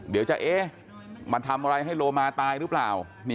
เดี๋ยวจะเอ๊ะมาทำอะไรให้โลมาตายหรือเปล่า